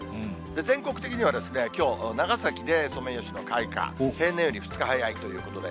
全国的には、きょう、長崎でソメイヨシノ開花、平年より２日早いということで。